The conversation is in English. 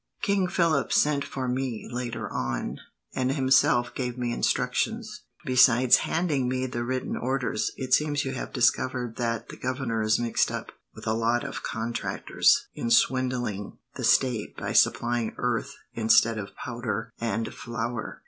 King Philip sent for me, later on, and himself gave me instructions, besides handing me the written orders. It seems you have discovered that the governor is mixed up, with a lot of contractors, in swindling the state by supplying earth instead of powder and flour."